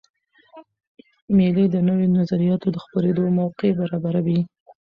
مېلې د نوو نظریاتو د خپرېدو موقع برابروي.